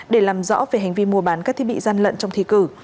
để làm rõ về hành vi mua bán các thiết bị gian lận trong thi cử